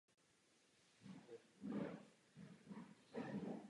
Poté design fungoval.